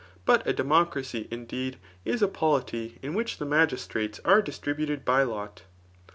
But a democracy, indeed, is a polity in which the magistrates are distributed by lot.